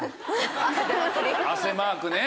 汗マークね。